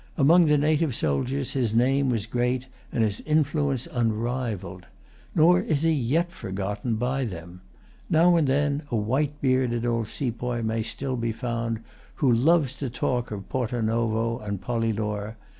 Among the native soldiers his name was great and his influence unrivalled. Nor is he yet forgotten by them. Now and then a white bearded old sepoy may still be found, who loves to talk of Porto Novo and Pollilore.